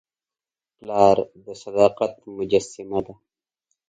پلار د صداقت مجسمه ده.